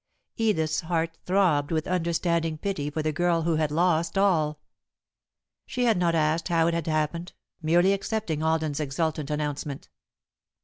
Edith's heart throbbed with understanding pity for the girl who had lost all. She had not asked how it had happened, merely accepting Alden's exultant announcement.